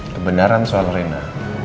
kebenaran soal rena